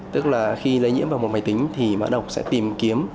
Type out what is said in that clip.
tức là khi lấy nhiễm vào một máy tính thì mã độc sẽ tìm kiếm